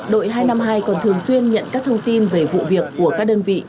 đội hai trăm năm mươi hai còn thường xuyên nhận các thông tin về vụ việc của các đơn vị